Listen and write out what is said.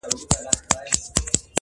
دومره پوه سوه چي مېږیان سره جنګېږي!.